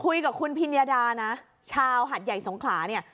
คุยกับคุณพิญญาดานะชาวหัดใหญ่สงขลาเนี่ย